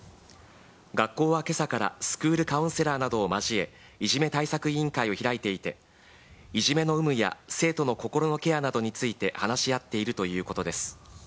学校はけさからスクールカウンセラーなどを交え、いじめ対策委員会を開いていて、いじめの有無や、生徒の心のケアなどについて話し合っているということです。